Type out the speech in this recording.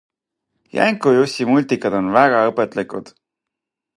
Jänku-Jussi multikad on väga õpetlikud.